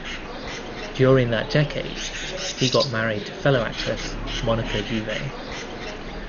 During that decade, he got married to fellow actress Monica Jouvet.